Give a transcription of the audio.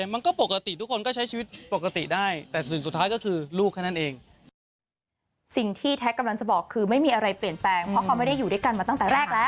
มันก็ปกติทุกคนก็ใช้ชีวิตปกติได้แต่สิ่งสุดท้ายก็คือลูกแค่นั้นเอง